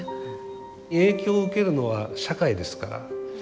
影響を受けるのは社会ですから。